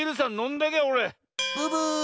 ブブーッ！